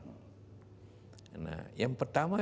nah yang pertama yang pertama